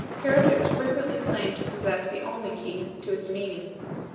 Heretics frequently claimed to possess the only key to its meaning.